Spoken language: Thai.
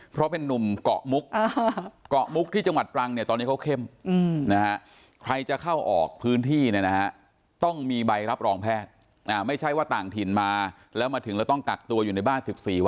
เพราะเป็นนุ่มเกาะมุก